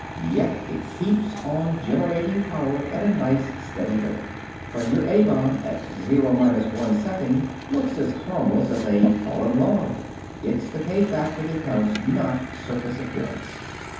Yet it keeps on generating power at a nice, steady rate. But your A bomb at zero minus one second looks as harmless as a fallen log. It's the k factor that counts, not surface appearance.